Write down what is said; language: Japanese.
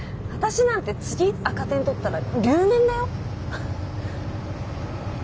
私なんて次赤点取ったら留年だよ？